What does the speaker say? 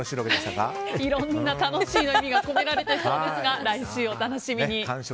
いろんな楽しいの意味が込められていそうですが来週、お楽しみに。